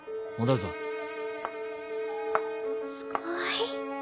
すごい。